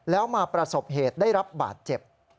แล้วมาประสบเหตุได้รับบาดเจ็บ